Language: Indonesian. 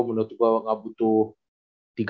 menurut gue gak butuh